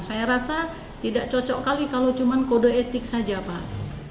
saya rasa tidak cocok kali kalau cuma kode etik saja pak